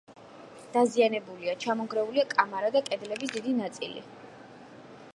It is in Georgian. დაზიანებულია: ჩამონგრეულია კამარა და კედლების დიდი ნაწილი.